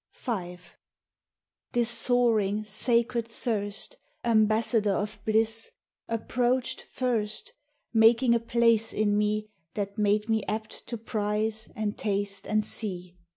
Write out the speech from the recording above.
V This soaring, sacred thirst, Ambassador of bliss, approached first, Making a place in me That made me apt to prize, and taste, and see.